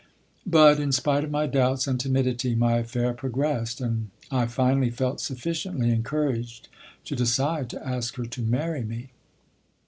But, in spite of my doubts and timidity, my affair progressed, and I finally felt sufficiently encouraged to decide to ask her to marry me.